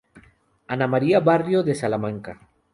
Ana María Barrio de Salamanca.